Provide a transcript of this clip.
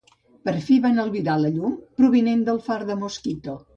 Per fi, van albirar la llum provinent del far de Mosquito.